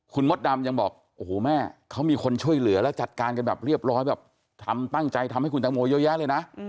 คุณมดดำยังบอกโอ้โหแม่เขามีคนช่วยเหลือและจัดการกันแบบเรียบร้อยแบบทำตั้งใจทำให้คุณตังโมเยอะแยะเลยนะ